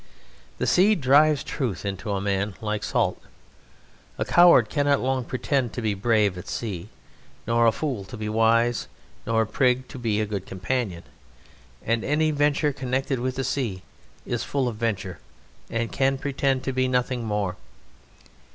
The sea drives truth into a man like salt. A coward cannot long pretend to be brave at sea, nor a fool to be wise, nor a prig to be a good companion, and any venture connected with the sea is full of venture and can pretend to be nothing more.